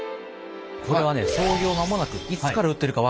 これはね創業まもなくいつから売ってるか分からない